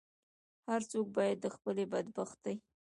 هر څوک باید د خپلې بدبختۍ.